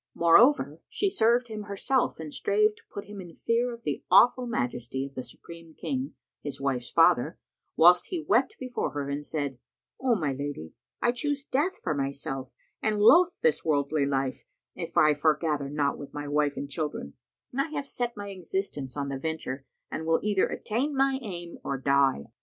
Moreover, she served him herself and strave to put him in fear of the awful majesty of the Supreme King, his wife's father; whilst he wept before her and said, "O my lady, I choose death for myself and loathe this worldly life, if I foregather not with my wife and children: I have set my existence on the venture and will either attain my aim or die."